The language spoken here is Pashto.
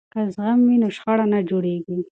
که زغم وي نو شخړه نه جوړیږي.